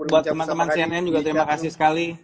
buat teman teman cnn juga terima kasih sekali